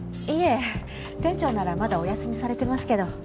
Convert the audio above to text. いえ店長ならまだお休みされてますけど。